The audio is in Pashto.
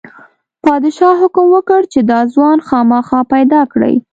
پادشاه حکم وکړ چې دا ځوان خامخا پیدا کړئ.